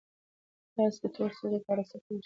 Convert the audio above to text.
ایا تاسي د تور سوري په اړه څه پوهېږئ؟